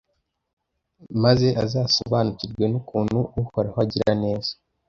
maze azasobanukirwe n'ukuntu uhoraho agira neza!